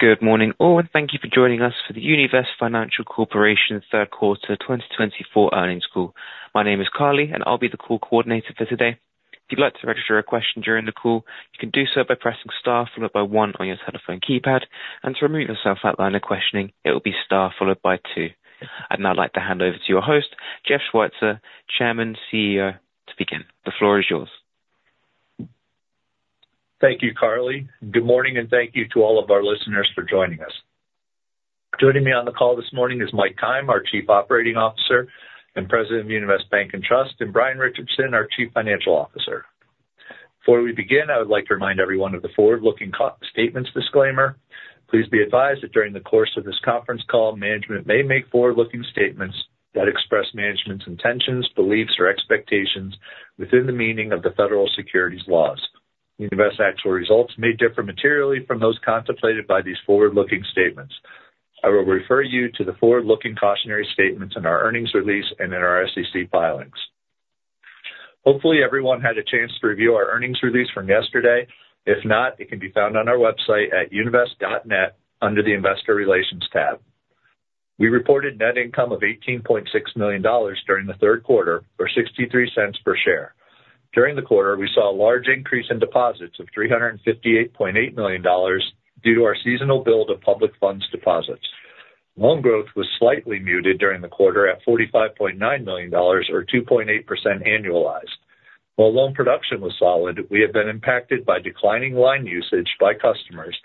Good morning, all, and thank you for joining us for the Univest Financial Corporation third quarter twenty twenty-four earnings call. My name is Carly, and I'll be the call coordinator for today. If you'd like to register a question during the call, you can do so by pressing star followed by one on your telephone keypad, and to remove yourself from the line of questioning, it will be star followed by two. I'd now like to hand over to your host, Jeff Schweitzer, Chairman, CEO, to begin. The floor is yours. Thank you, Carly. Good morning, and thank you to all of our listeners for joining us. Joining me on the call this morning is Mike Keim, our Chief Operating Officer and President of Univest Bank and Trust, and Brian Richardson, our Chief Financial Officer. Before we begin, I would like to remind everyone of the forward-looking statements disclaimer. Please be advised that during the course of this conference call, management may make forward-looking statements that express management's intentions, beliefs, or expectations within the meaning of the federal securities laws. Univest's actual results may differ materially from those contemplated by these forward-looking statements. I will refer you to the forward-looking cautionary statements in our earnings release and in our SEC filings. Hopefully, everyone had a chance to review our earnings release from yesterday. If not, it can be found on our website at univest.net under the Investor Relations tab. We reported net income of $18.6 million during the third quarter, or $0.63 per share. During the quarter, we saw a large increase in deposits of $358.8 million due to our seasonal build of public funds deposits. Loan growth was slightly muted during the quarter at $45.9 million or 2.8% annualized. While loan production was solid, we have been impacted by declining line usage by customers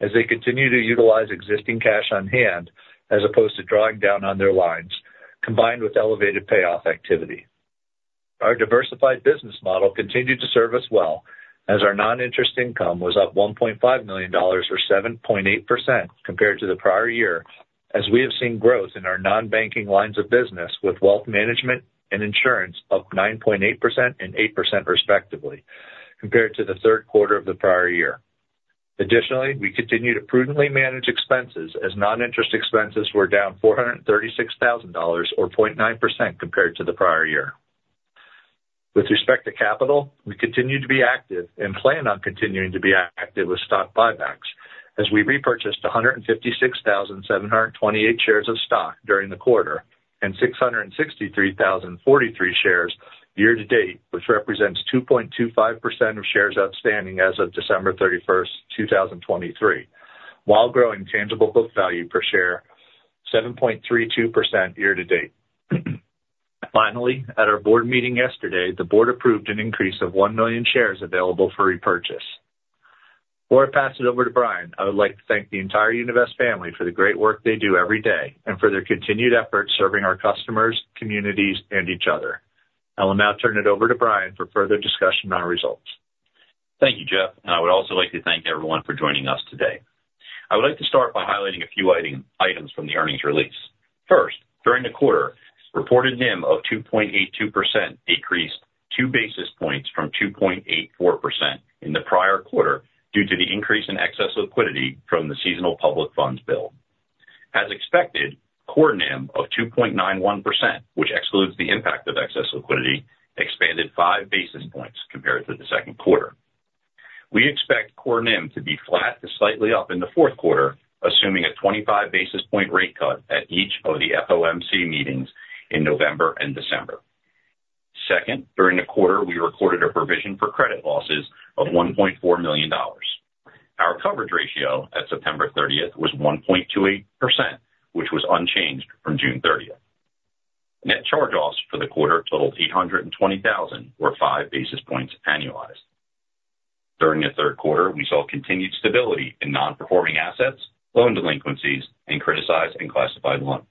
as they continue to utilize existing cash on hand as opposed to drawing down on their lines, combined with elevated payoff activity. Our diversified business model continued to serve us well as our non-interest income was up $1.5 million, or 7.8% compared to the prior year, as we have seen growth in our non-banking lines of business with wealth management and insurance up 9.8% and 8% respectively, compared to the third quarter of the prior year. Additionally, we continue to prudently manage expenses as non-interest expenses were down $436,000 or 0.9% compared to the prior year. With respect to capital, we continue to be active and plan on continuing to be active with stock buybacks as we repurchased 156,728 shares of stock during the quarter and 663,043 shares year to date, which represents 2.25% of shares outstanding as of December thirty-first, 2023, while growing tangible book value per share 7.32% year to date. Finally, at our board meeting yesterday, the board approved an increase of 1 million shares available for repurchase. Before I pass it over to Brian, I would like to thank the entire Univest family for the great work they do every day and for their continued efforts serving our customers, communities, and each other. I will now turn it over to Brian for further discussion on our results. Thank you, Jeff, and I would also like to thank everyone for joining us today. I would like to start by highlighting a few items from the earnings release. First, during the quarter, reported NIM of 2.82% decreased two basis points from 2.84% in the prior quarter due to the increase in excess liquidity from the seasonal public funds build-up. As expected, core NIM of 2.91%, which excludes the impact of excess liquidity, expanded five basis points compared to the second quarter. We expect core NIM to be flat to slightly up in the fourth quarter, assuming a 25 basis point rate cut at each of the FOMC meetings in November and December. Second, during the quarter, we recorded a provision for credit losses of $1.4 million. Our coverage ratio at September thirtieth was 1.28%, which was unchanged from June thirtieth. Net charge-offs for the quarter totaled $820,000, or five basis points annualized. During the third quarter, we saw continued stability in non-performing assets, loan delinquencies, and criticized and classified loans.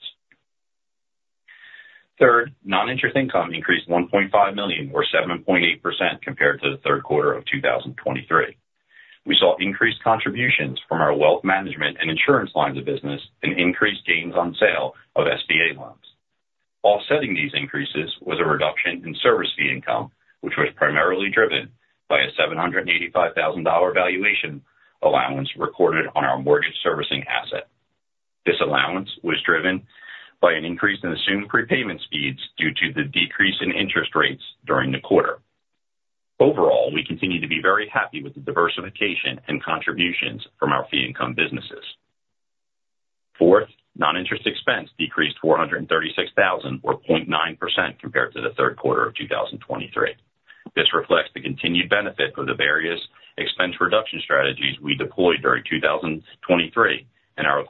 Third, non-interest income increased $1.5 million, or 7.8% compared to the third quarter of 2023. We saw increased contributions from our wealth management and insurance lines of business and increased gains on sale of SBA loans. Offsetting these increases was a reduction in service fee income, which was primarily driven by a $785,000 valuation allowance recorded on our mortgage servicing asset. This allowance was driven by an increase in assumed prepayment speeds due to the decrease in interest rates during the quarter. Overall, we continue to be very happy with the diversification and contributions from our fee income businesses. Fourth, non-interest expense decreased $436,000 or 0.9% compared to the third quarter of 2023. This reflects the continued benefit of the various expense reduction strategies we deployed during 2023 and our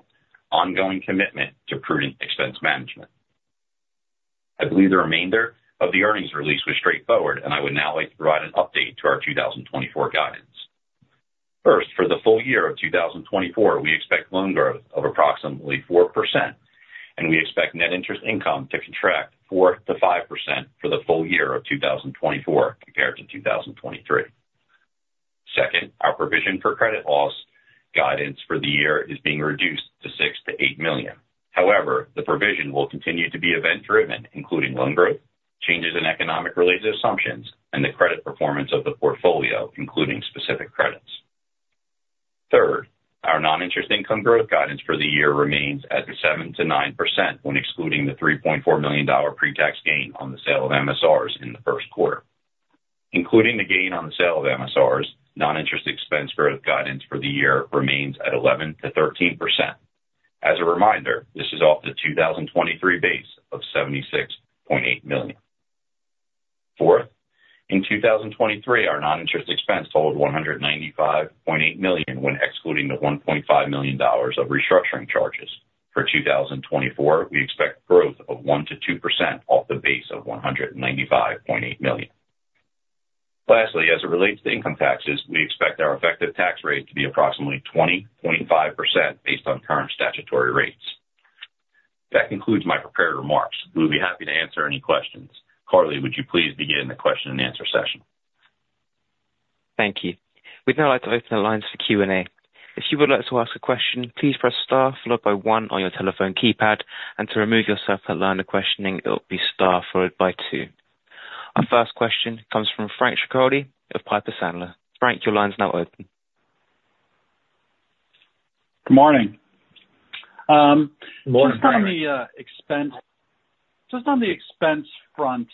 ongoing commitment to prudent expense management. I believe the remainder of the earnings release was straightforward, and I would now like to provide an update to our 2024 guidance. First, for the full year of 2024, we expect loan growth of approximately 4%, and we expect net interest income to contract 4%-5% for the full year of 2024 compared to 2023. Second, our provision for credit losses guidance for the year is being reduced to $6 million-$8 million. However, the provision will continue to be event driven, including loan growth, changes in economic related assumptions, and the credit performance of the portfolio, including specific credits. Third, our non-interest income growth guidance for the year remains at 7%-9% when excluding the $3.4 million pre-tax gain on the sale of MSRs in the first quarter. Including the gain on the sale of MSRs, non-interest expense growth guidance for the year remains at 11%-13%. As a reminder, this is off the 2023 base of $76.8 million. Fourth, in 2023, our non-interest expense totaled $195.8 million, when excluding the $1.5 million of restructuring charges. For 2024, we expect growth of 1%-2% off the base of $195.8 million. Lastly, as it relates to income taxes, we expect our effective tax rate to be approximately 20.5% based on current statutory rates. That concludes my prepared remarks. We'll be happy to answer any questions. Carly, would you please begin the question and answer session? Thank you. We'd now like to open the lines for Q&A. If you would like to ask a question, please press star followed by one on your telephone keypad, and to remove yourself at line of questioning, it will be star followed by two. Our first question comes from Frank Schiraldi of Piper Sandler. Frank, your line's now open. Good morning. Good morning. Just on the expense front,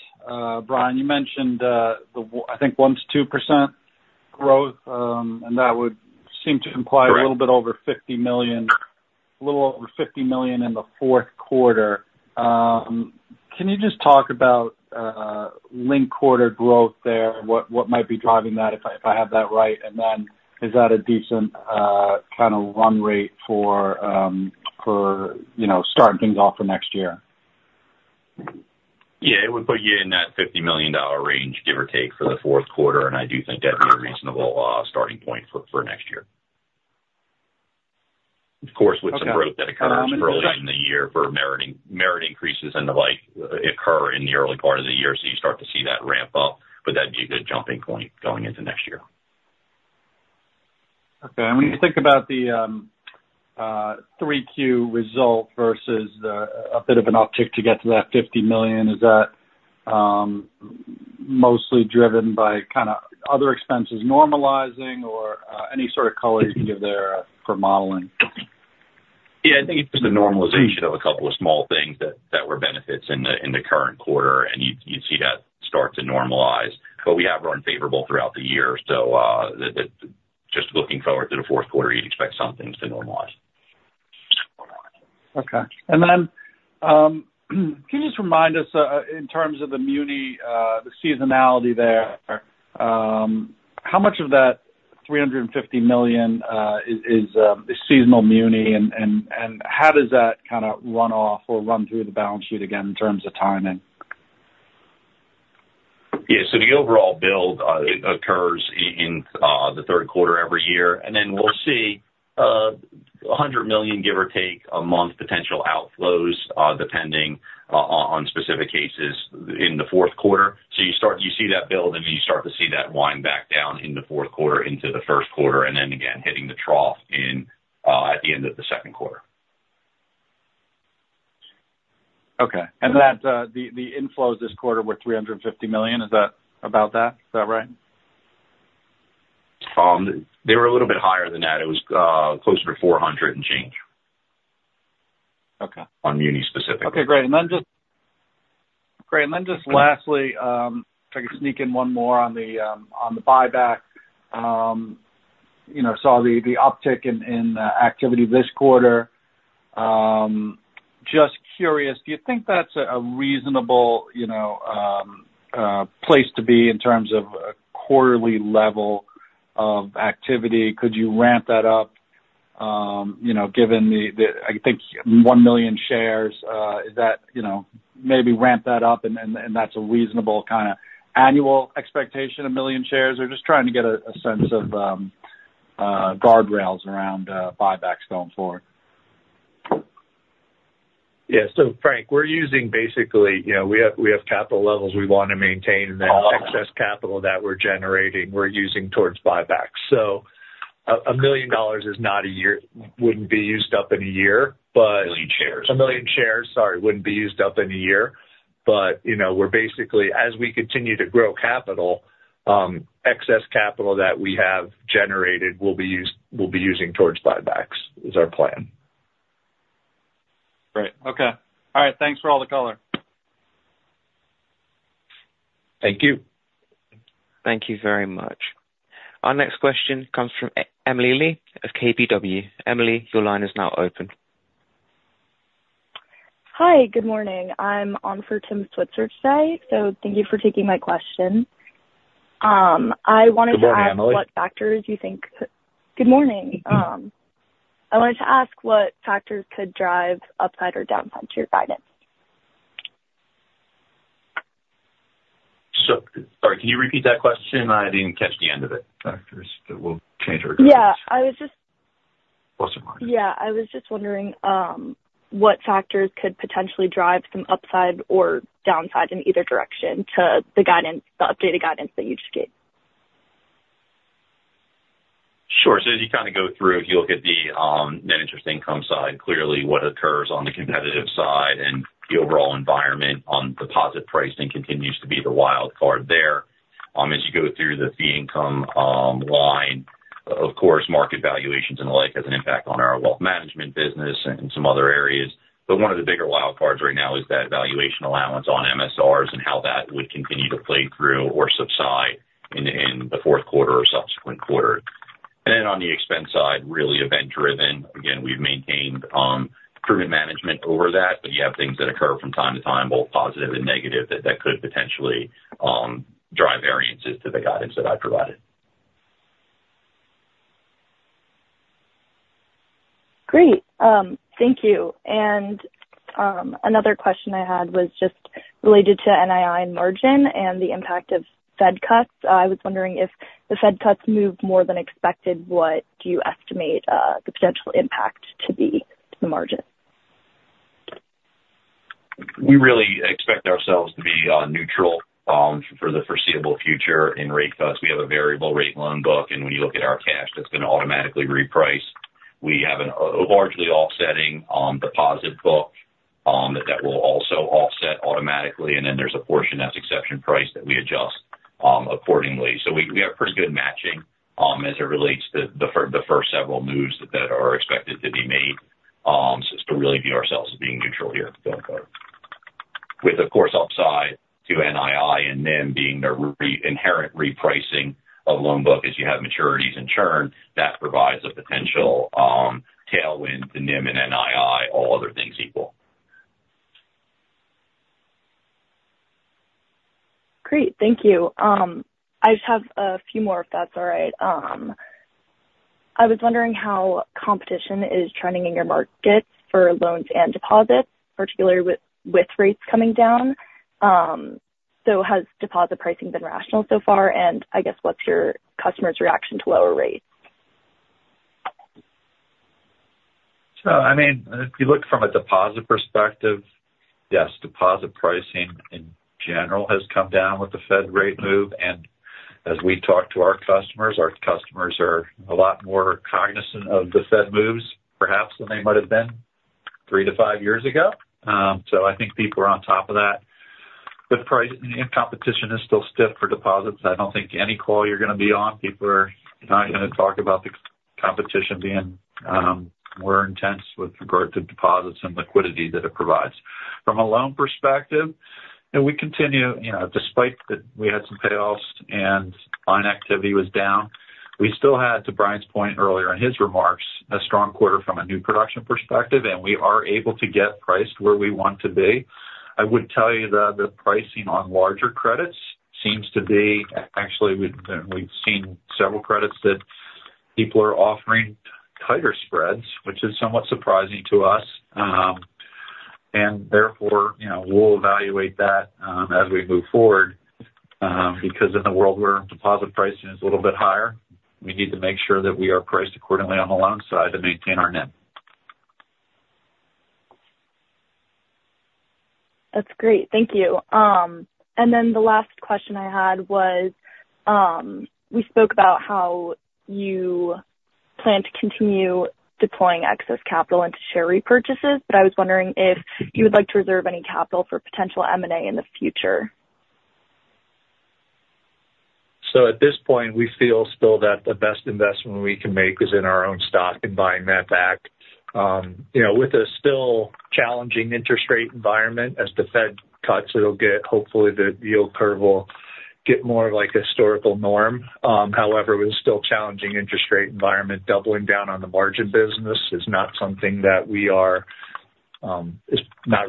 Brian, you mentioned, I think, 1%-2% growth, and that would seem to imply- Correct. A little bit over $50 million in the Q4. Can you just talk about linked quarter growth there? What might be driving that, if I have that right, and then is that a decent kind of run rate for you know starting things off for next year? Yeah, it would put you in that $50 million range, give or take, for the Q4, and I do think that'd be a reasonable starting point for next year. Of course, with some growth that occurs early in the year for merit increases and the like occur in the early part of the year, so you start to see that ramp up, but that'd be a good jumping point going into next year. Okay. And when you think about the 3Q result versus a bit of an uptick to get to that $50 million, is that mostly driven by kind of other expenses normalizing or any sort of color you can give there for modeling? Yeah, I think it's just a normalization of a couple of small things that were benefits in the current quarter, and you see that start to normalize. But we have run favorable throughout the year, so just looking forward to the Q4, you'd expect some things to normalize. Okay. And then, can you just remind us, in terms of the muni, the seasonality there, how much of that $350 million is seasonal muni? And how does that kind of run off or run through the balance sheet again, in terms of timing? Yeah. So the overall build occurs in the third quarter every year, and then we'll see $100 million, give or take, a month, potential outflows depending on specific cases in the Q4. So you see that build, and then you start to see that wind back down in the Q4 into the first quarter, and then again, hitting the trough at the end of the Q2. Okay. And that- The inflows this quarter were $350 million. Is that about that? Is that right? They were a little bit higher than that. It was closer to 400 and change. Okay. On muni specifically. Okay, great. Great, and then just lastly, if I could sneak in one more on the buyback. You know, saw the uptick in activity this quarter. Just curious, do you think that's a reasonable, you know, place to be in terms of a quarterly level of activity? Could you ramp that up, you know, given the, I think, 1 million shares, is that, you know, maybe ramp that up and that's a reasonable kind of annual expectation, a million shares? Or just trying to get a sense of guardrails around buybacks going forward. Yeah. So, Frank, we're using basically, you know, we have capital levels we want to maintain, and then excess capital that we're generating, we're using towards buybacks. So, $1 million is not a year, wouldn't be used up in a year, but- 1 million shares. A million shares, sorry, wouldn't be used up in a year. But, you know, we're basically, as we continue to grow capital, excess capital that we have generated we'll be using towards buybacks, is our plan. Great. Okay. All right, thanks for all the color. Thank you. Thank you very much. Our next question comes from Emily Lee of KBW. Emily, your line is now open. Hi, good morning. I'm on for Tim Switzer today, so thank you for taking my question. I wanted to ask- Good morning, Emily. Good morning. I wanted to ask what factors could drive upside or downside to your guidance? So sorry, can you repeat that question? I didn't catch the end of it. Factors that will change our guidance. Yeah, I was just- Plus or minus. Yeah. I was just wondering, what factors could potentially drive some upside or downside in either direction to the guidance, the updated guidance that you just gave? Sure, so as you kind of go through, if you look at the net interest income side, clearly what occurs on the competitive side and the overall environment on deposit pricing continues to be the wild card there. As you go through the fee income, of course, market valuations and the like has an impact on our wealth management business and some other areas. One of the bigger wild cards right now is that valuation allowance on MSRs and how that would continue to play through or subside in the fourth quarter or subsequent quarters. Then on the expense side, really event-driven. Again, we've maintained prudent management over that, but you have things that occur from time to time, both positive and negative, that could potentially drive variances to the guidance that I provided. Great. Thank you. And another question I had was just related to NII and margin and the impact of Fed cuts. I was wondering if the Fed cuts moved more than expected, what do you estimate the potential impact to be to the margin? We really expect ourselves to be neutral for the foreseeable future in rate cuts. We have a variable rate loan book, and when you look at our cash, that's going to automatically reprice. We have a largely offsetting deposit book that will also offset automatically, and then there's a portion that's exception priced that we adjust accordingly. So we have pretty good matching as it relates to the first several moves that are expected to be made, so really view ourselves as being neutral here going forward. With, of course, upside to NII and NIM being the inherent repricing of loan book. As you have maturities and churn, that provides a potential tailwind to NIM and NII, all other things equal. Great. Thank you. I just have a few more, if that's all right. I was wondering how competition is trending in your markets for loans and deposits, particularly with rates coming down. So has deposit pricing been rational so far? And I guess, what's your customers' reaction to lower rates? So, I mean, if you look from a deposit perspective, yes, deposit pricing in general has come down with the Fed rate move. And as we talk to our customers, our customers are a lot more cognizant of the Fed moves, perhaps, than they might have been three to five years ago. So I think people are on top of that. But price and competition is still stiff for deposits. I don't think any call you're going to be on, people are not going to talk about the competition being more intense with regard to deposits and liquidity that it provides. From a loan perspective, and we continue, you know, despite that we had some payoffs and line activity was down, we still had, to Brian's point earlier in his remarks, a strong quarter from a new production perspective, and we are able to get priced where we want to be. I would tell you that the pricing on larger credits seems to be. Actually, we've seen several credits that people are offering tighter spreads, which is somewhat surprising to us. And therefore, you know, we'll evaluate that as we move forward because in the world where deposit pricing is a little bit higher, we need to make sure that we are priced accordingly on the loan side to maintain our NIM. That's great. Thank you, and then the last question I had was, we spoke about how you plan to continue deploying excess capital into share repurchases, but I was wondering if you would like to reserve any capital for potential M&A in the future. So at this point, we feel still that the best investment we can make is in our own stock and buying that back. You know, with a still challenging interest rate environment, as the Fed cuts, hopefully the yield curve will get more like historical norm. However, with still challenging interest rate environment, doubling down on the margin business is not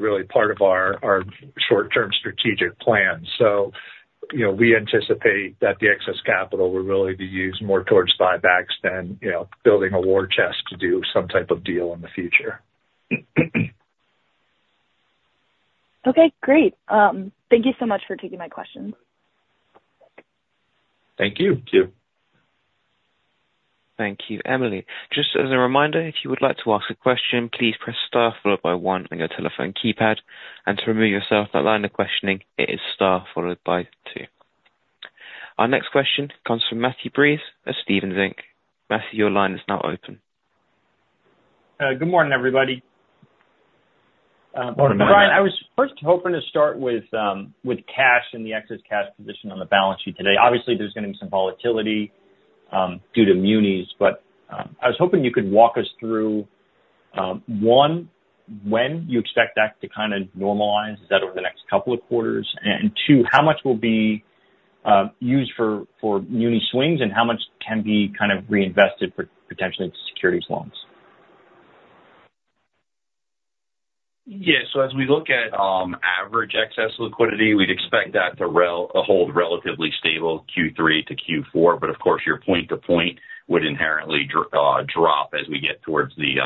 really part of our short-term strategic plan. So, you know, we anticipate that the excess capital will really be used more towards buybacks than, you know, building a war chest to do some type of deal in the future. Okay, great. Thank you so much for taking my questions. Thank you. Thank you. Thank you, Emily. Just as a reminder, if you would like to ask a question, please press star followed by one on your telephone keypad, and to remove yourself from that line of questioning, it is star followed by two. Our next question comes from Matthew Breese at Stephens Inc. Matthew, your line is now open. Good morning, everybody. Good morning, Matt. Brian, I was first hoping to start with cash and the excess cash position on the balance sheet today. Obviously, there's going to be some volatility due to munis, but I was hoping you could walk us through one, when you expect that to kind of normalize. Is that over the next couple of quarters? And two, how much will be used for muni swings, and how much can be kind of reinvested for potentially into securities loans? Yeah. So as we look at average excess liquidity, we'd expect that to hold relatively stable Q3 to Q4, but of course, your point to point would inherently drop as we get towards the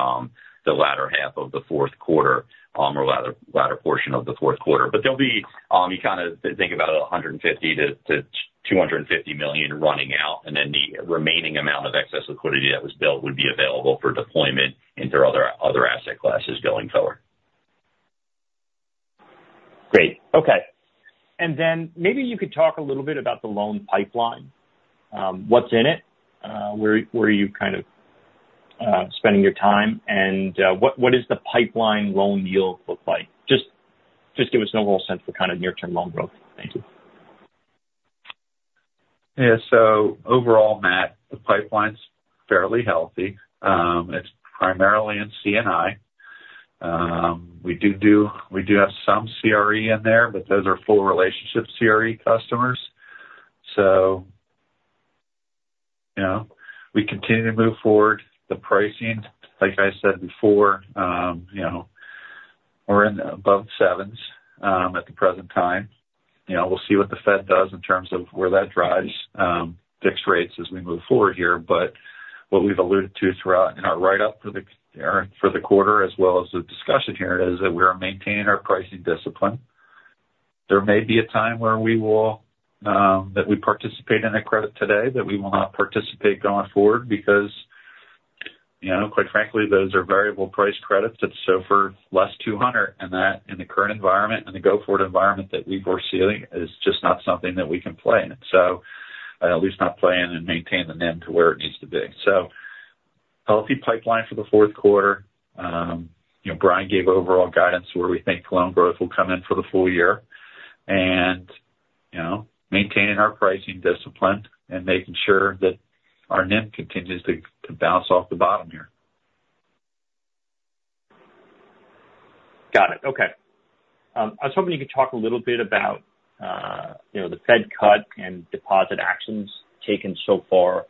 latter half of the fourth quarter, or latter portion of the fourth quarter. But there'll be you kind of think about $150 million-$250 million running out, and then the remaining amount of excess liquidity that was built would be available for deployment into other asset classes going forward. Great. Okay. And then maybe you could talk a little bit about the loan pipeline. What's in it? Where are you kind of spending your time? And what does the pipeline loan yield look like? Just give us an overall sense for kind of near-term loan growth. Thank you. Yeah. So overall, Matt, the pipeline's fairly healthy. It's primarily in C&I. We do have some CRE in there, but those are full relationship CRE customers. So, you know, we continue to move forward. The pricing, like I said before, you know, we're in above sevens, at the present time. You know, we'll see what the Fed does in terms of where that drives, fixed rates as we move forward here. But what we've alluded to throughout, in our write-up for the quarter, as well as the discussion here, is that we are maintaining our pricing discipline. There may be a time where we will, that we participate in a credit today, that we will not participate going forward, because, you know, quite frankly, those are variable rate credits that are so far less than 200, and that in the current environment and the go-forward environment that we're foreseeing, is just not something that we can play in. So, at least not play in and maintain the NIM to where it needs to be. So healthy pipeline for theQ4. You know, Brian gave overall guidance where we think loan growth will come in for the full year and, you know, maintaining our pricing discipline and making sure that our NIM continues to bounce off the bottom here. Got it. Okay. I was hoping you could talk a little bit about, you know, the Fed cut and deposit actions taken so far.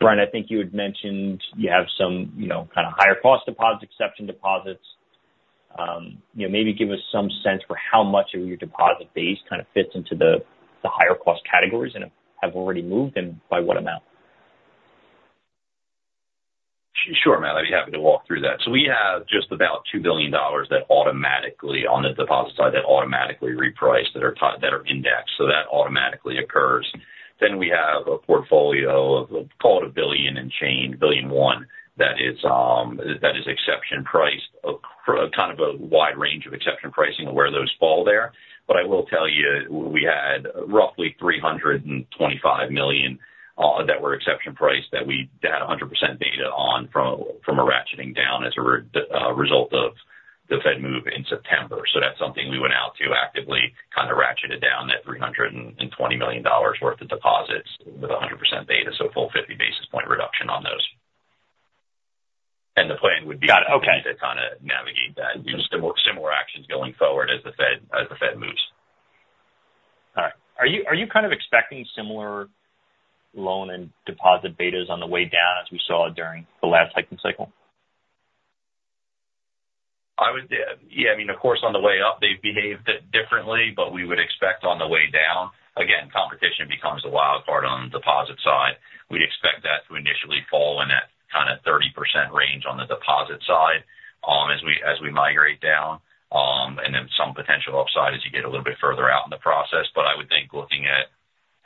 Brian, I think you had mentioned you have some, you know, kind of, higher cost deposits, exception deposits. You know, maybe give us some sense for how much of your deposit base kind of fits into the higher cost categories and have already moved, and by what amount? Sure, Matt, I'd be happy to walk through that. So we have just about $2 billion that automatically, on the deposit side, that automatically reprice, that are indexed, so that automatically occurs. Then we have a portfolio of, call it a billion and change, $1 billion, that is exception priced, kind of a wide range of exception pricing of where those fall there. But I will tell you, we had roughly $325 million that were exception priced, that had 100% beta on from a ratcheting down as a result of the Fed move in September. So that's something we went out to actively, kind of, ratcheted down that $320 million worth of deposits with 100% beta, so a full 50 basis point reduction on those. And the plan would be- Got it. Okay. to kind of navigate that, do similar actions going forward as the Fed moves. All right. Are you kind of expecting similar loan and deposit betas on the way down, as we saw during the last hiking cycle? I would. Yeah, I mean, of course, on the way up, they've behaved differently, but we would expect on the way down. Again, competition becomes the wild card on the deposit side. We'd expect that to initially fall in that kind of 30% range on the deposit side, as we migrate down, and then some potential upside as you get a little bit further out in the process. But I would think looking at,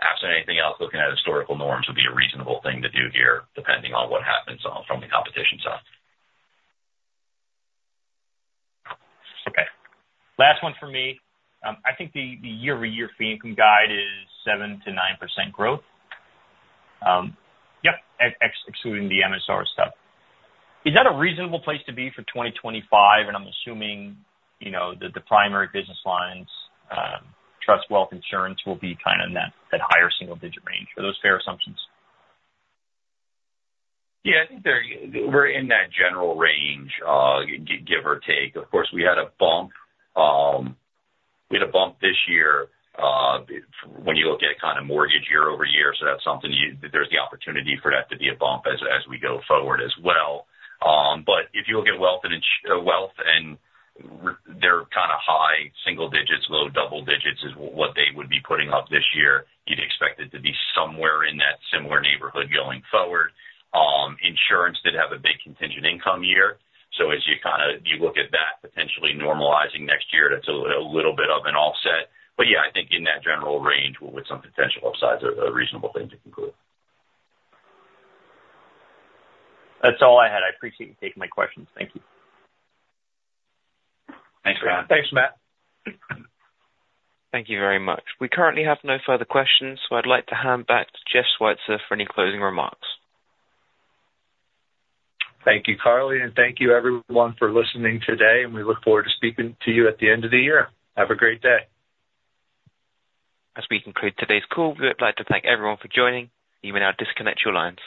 absent anything else, looking at historical norms would be a reasonable thing to do here, depending on what happens on from the competition side. Okay. Last one for me. I think the year-over-year fee income guide is 7%-9% growth. Um, yep. Excluding the MSR stuff. Is that a reasonable place to be for 2025? And I'm assuming, you know, that the primary business lines, trust, wealth, insurance, will be kind of in that higher single digit range. Are those fair assumptions? Yeah, I think they're, we're in that general range, give or take. Of course, we had a bump this year when you look at kind of mortgage year over year, so that's something you, there's the opportunity for that to be a bump as we go forward as well. But if you look at wealth and insurance, they're kind of high single digits, low double digits, is what they would be putting up this year. You'd expect it to be somewhere in that similar neighborhood going forward. Insurance did have a big contingent income year, so as you look at that potentially normalizing next year, that's a little bit of an offset. But yeah, I think in that general range with some potential upsides are a reasonable thing to conclude. That's all I had. I appreciate you taking my questions. Thank you. Thanks, Matt. Thanks, Matt. Thank you very much. We currently have no further questions, so I'd like to hand back to Jeff Schweitzer for any closing remarks. Thank you, Carly, and thank you everyone for listening today, and we look forward to speaking to you at the end of the year. Have a great day. As we conclude today's call, we would like to thank everyone for joining. You may now disconnect your lines.